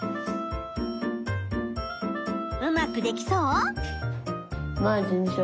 うまくできそう？